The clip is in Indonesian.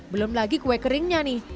belum lagi kue keringnya nih